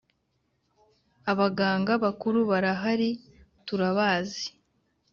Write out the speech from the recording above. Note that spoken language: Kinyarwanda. Abaganga bakuru barahari turabazi